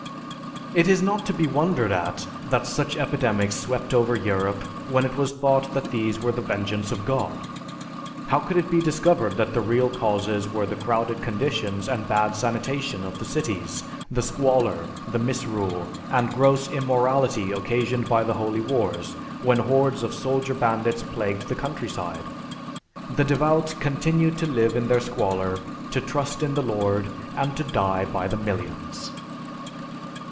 It is not to be wondered at that such epidemics swept over Europe when it was taught that these were the vengeance of God. How could it be discovered that the real causes were the crowded conditions and bad sanitation of the cities, the squalor, the misrule, and gross immorality occasioned by the Holy Wars, when hordes of soldier bandits plagued the countryside? The devout continued to live in their squalor, to trust in the Lord, and to die by the millions.